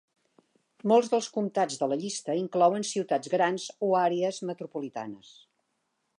Molts dels comtats de la llista inclouen ciutats grans o àrees metropolitanes.